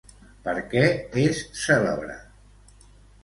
Per què és cèlebre?